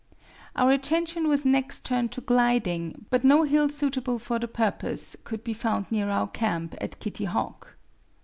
Our attention was next turned to gliding, but no hill suitable for the purpose could be found near our camp at Kitty Hawk.